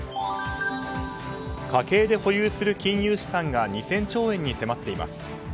家計で保有する金融資産が２０００兆円に迫っています。